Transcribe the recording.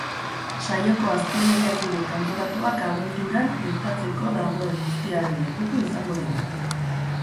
Saioko azken lehiakide kanporatuak abenturan gertatzeko dagoen guztiaren lekuko izango dira.